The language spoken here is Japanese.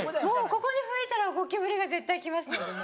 ここで拭いたらゴキブリが絶対来ますのでね。